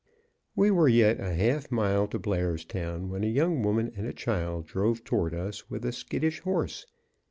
We were yet a half mile to Blairstown when a young woman and a child drove toward us with a skittish horse.